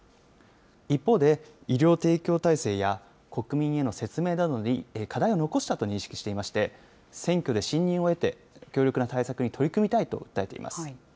一方で、医療提供体制や、国民への説明などに課題を残したと認識していまして、選挙で信任を得て、強力な対策に取り組みたいと訴えています。